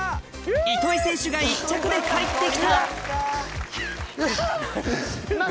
・糸井選手が１着でかえってきたうっ！